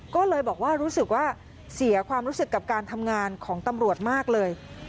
ก็เลยบอกว่ารู้สึกว่าเสียความรู้สึกกับการทำงานของตำรวจมากเลย